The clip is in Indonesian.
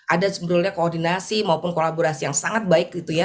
ada sebenarnya koordinasi maupun kolaborasi yang sangat baik gitu ya